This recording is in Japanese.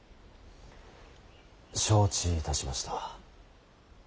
承知いたしました。